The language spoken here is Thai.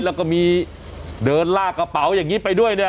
แล้วก็มีเดินลากกระเป๋าอย่างนี้ไปด้วยเนี่ย